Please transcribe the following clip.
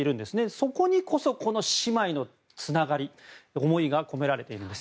そこにこそこの姉妹のつながり、思いが込められているんです。